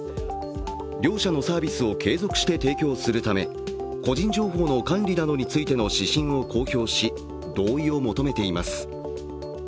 両社のサービスを継続して提供するため個人情報の管理などについての指針を公表し、同意を求めています。